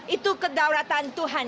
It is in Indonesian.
itu kedaulatan tuhan